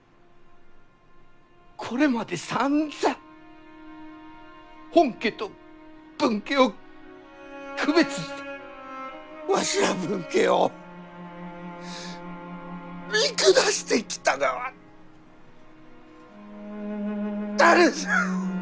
これまでさんざん本家と分家を区別してわしら分家を見下してきたがは誰じゃ。